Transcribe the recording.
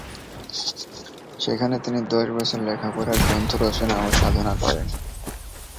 সেখানে তিনি দশ বছর লেখাপড়া, গ্রন্থ রচনা ও সাধনা করেন।